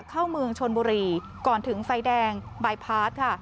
เข้าเมืองชนบุรีก่อนถึงไฟแดงบายพาร์ทค่ะ